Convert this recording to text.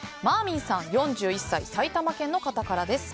４１歳、埼玉県の方からです。